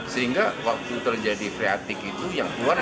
sehingga waktu terjadi freatik itu yang keluar